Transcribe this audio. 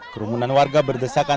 kerumunan warga berdesakan